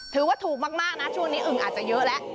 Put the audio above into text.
ถือว่าถูกมากนะช่วงนี้อึ่งอาจจะเยอะแล้ว